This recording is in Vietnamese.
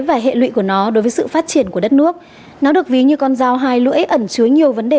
và hệ lụy của nó đối với sự phát triển của đất nước nó được ví như con dao hai lưỡi ẩn chứa nhiều vấn đề